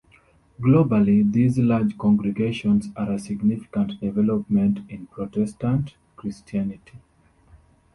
Globally, these large congregations are a significant development in Protestant Christianity.